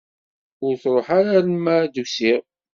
Ur truḥ ara alma i d-usiɣ.